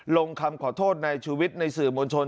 ลงคำขอโทษนายชูวิทย์ในสื่อมวลชน